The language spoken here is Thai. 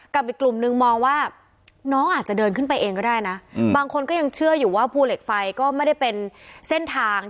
อีกกลุ่มนึงมองว่าน้องอาจจะเดินขึ้นไปเองก็ได้นะบางคนก็ยังเชื่ออยู่ว่าภูเหล็กไฟก็ไม่ได้เป็นเส้นทาง